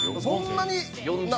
そんなに。